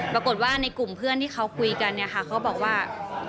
ปรากฏว่าในกลุ่มเพื่อนที่เขาคุยกันเนี่ยค่ะเขาบอกว่า